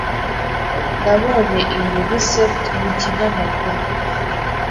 Nabonye iyi resept mu kinyamakuru